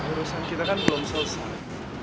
urusan kita kan belum selesai